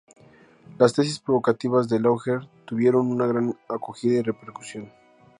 Las tesis provocativas de Laugier tuvieron una gran acogida y repercusión.